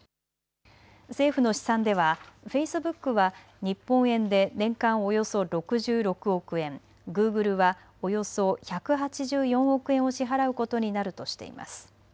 政府の試算ではフェイスブックは日本円で年間およそ６６億円、グーグルはおよそ１８４億円を支払うことになるとしています。